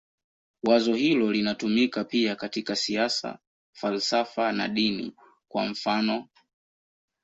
Wazo hilo linatumika pia katika siasa, falsafa na dini, kwa mfanof.